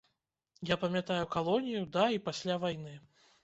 Я памятаю калонію да і пасля вайны.